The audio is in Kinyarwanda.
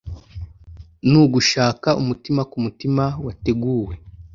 nugushaka umutima kumutima wateguwe